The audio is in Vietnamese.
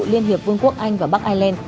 liên hiệp vương quốc anh và bắc ireland